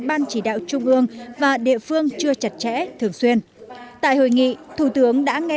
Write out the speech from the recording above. ban chỉ đạo trung ương và địa phương chưa chặt chẽ thường xuyên tại hội nghị thủ tướng đã nghe